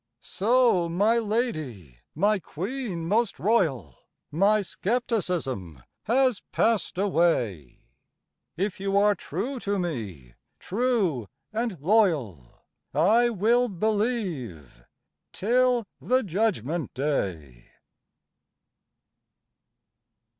So my lady, my queen most royal, My skepticism has passed away; If you are true to me, true and loyal, I will believe till the Judgment day.